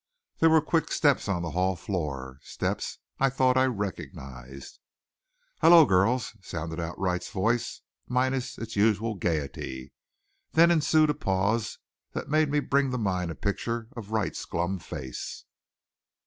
There were quick steps on the hall floor, steps I thought I recognized. "Hello, girls!" sounded out Wright's voice, minus its usual gaiety. Then ensued a pause that made me bring to mind a picture of Wright's glum face.